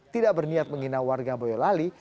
tidak berniat menghina warga boyolali